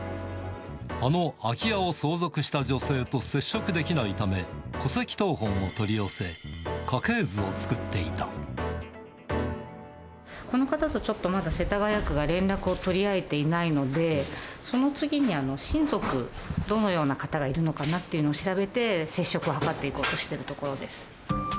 あの空き家を相続した女性と接触できないため、戸籍謄本を取り寄せ、この方とちょっとまだ、世田谷区が連絡を取り合えていないので、その次に親族、どのような方がいるのかなっていうのを調べて、接触を図っていこうとしているところです。